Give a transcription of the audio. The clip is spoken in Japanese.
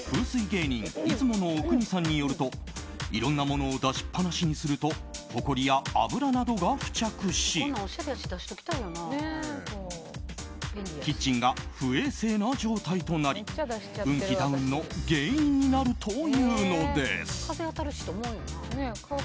芸人出雲阿国さんによるといろんなものを出しっぱなしにするとほこりや油などが付着しキッチンが不衛生な状態となり運気ダウンの原因になるというのです。